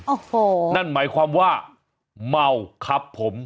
โอ้โหนั่นหมายความว่าเมาครับผม